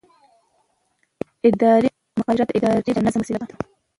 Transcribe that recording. اداري مقررات د ادارې د نظم وسیله ده.